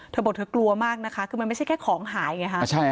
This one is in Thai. เธอบอกเธอกลัวมากนะคะมันไม่ใช่แค่ของหายไงมันใช่ค่ะ